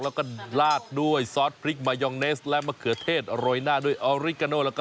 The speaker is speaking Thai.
แล้วก็ลาดด้วยซอสพริกมายองเนสและมะเขือเทศโรยหน้าด้วยออริกาโนแล้วก็